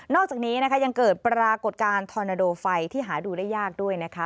อกจากนี้นะคะยังเกิดปรากฏการณ์ทอนาโดไฟที่หาดูได้ยากด้วยนะคะ